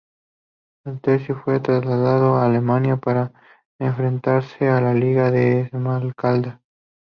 El Tercio fue trasladado a Alemania para enfrentarse a la Liga de Esmalcalda.